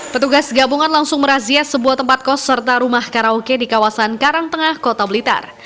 petugas gabungan langsung merazia sebuah tempat kos serta rumah karaoke di kawasan karangtengah kota blitar